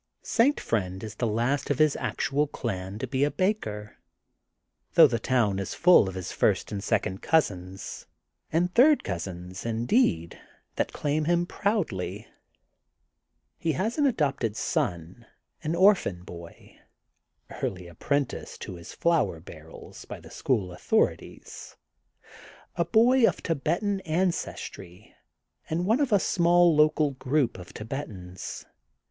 St. Friend is the last of his actual clan to be a baker, though the town is full of his first and second cousins; — and third cousins, in deed, that claim him proudly. He has adopted a son, an orphan boy, early apprenticed to THE GOLDEN BOOK OF SPRINGFIELD 173 his flour barrels by the school authoritieSy a boy of Thibetan ancestry and one of a small local group of Thibetans.